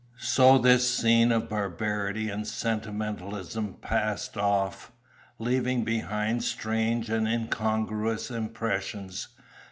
So this scene of barbarity and sentimentalism passed off, leaving behind strange and incongruous impressions.